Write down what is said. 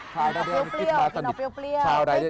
ชายใดได้แนบคิดสนิท